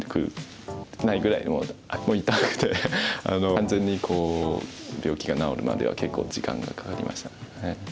完全に病気が治るまでは結構時間がかかりました。